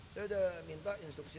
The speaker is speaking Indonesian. saya udah minta instruksi